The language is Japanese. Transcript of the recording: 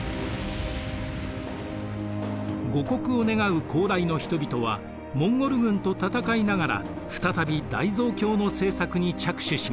護国を願う高麗の人々はモンゴル軍と戦いながら再び大蔵経の製作に着手します。